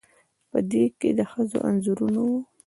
په دې کې د ښځو انځورونه وو